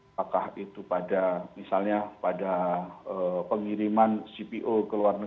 apakah itu pada misalnya pada pengiriman cpo ke luar negeri